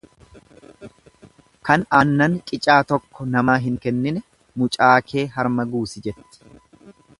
Kan aannan qicaa tokko namaa hin kennine mucaa kee harma guusi jetti.